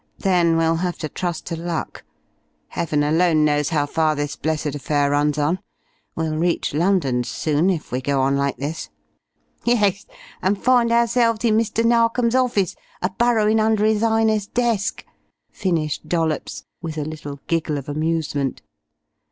Then we'll have to trust to luck. Heaven alone knows how far this blessed affair runs on. We'll reach London soon, if we go on like this!" "Yus, and find ourselves in Mr. Narkom's office, a burrowin' under 'is 'Ighness' desk!" finished Dollops, with a little giggle of amusement.